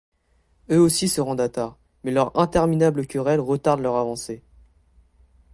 Eux aussi se rendent à Tar, mais leurs interminables querelles retardent leur avancée.